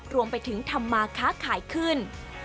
รวมไปถึงทำมาค้าขายขึ้น